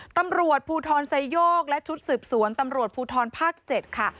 ตำรวจภูทรไซโยกและชุดสืบสวนตำรวจภูทรภาค๗ค่ะ